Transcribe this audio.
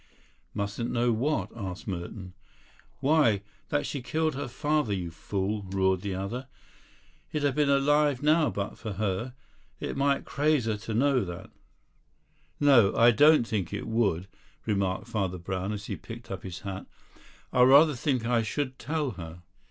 "Mustn't know what?" asked Merton. "Why, that she killed her father, you fool!" roared the other. "He'd have been alive now but for her. It might craze her to know that." "No, I don't think it would," remarked Father Brown, as he picked up his hat. "I rather think I should tell her.